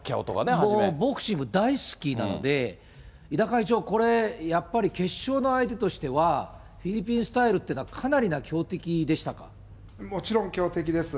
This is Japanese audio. もうボクシング大好きなんで、伊田会長、これ、やっぱり決勝の相手としては、フィリピンスタイルっていうのは、もちろん強敵です。